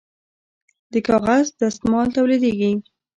د کاغذ دستمال تولیدیږي